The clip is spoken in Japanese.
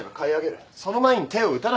その前に手を打たないと。